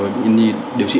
bệnh nhân nhi điều trị